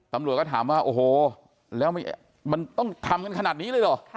ตำรวจก็ถามว่าโอ้โหแล้วมันต้องทำกันขนาดนี้เลยเหรอ